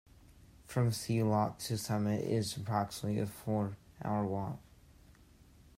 From sea loch to summit is approximately a four-hour walk.